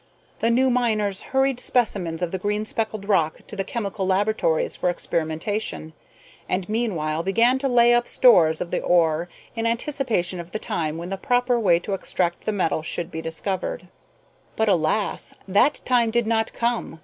The new miners hurried specimens of the green speckled rock to the chemical laboratories for experimentation, and meanwhile began to lay up stores of the ore in anticipation of the time when the proper way to extract the metal should be discovered. But, alas! that time did not come.